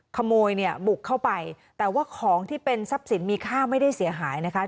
ขโมยเนี่ยบุกเข้าไปแต่ว่าของที่เป็นทรัพย์สินมีค่าไม่ได้เสียหายนะคะ